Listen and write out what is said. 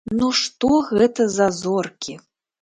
Ну што гэта за зоркі!